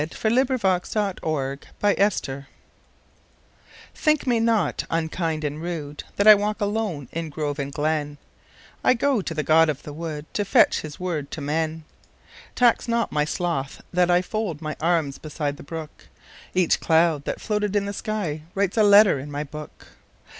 The Apology THINK me not unkind and rudeThat I walk alone in grove and glen;I go to the god of the woodTo fetch his word to men. Tax not my sloth that IFold my arms beside the brook; Each cloud that floated in the skyWrites a letter in my book.